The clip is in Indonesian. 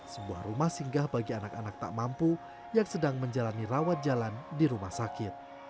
sebuah rumah singgah bagi anak anak tak mampu yang sedang menjalani rawat jalan di rumah sakit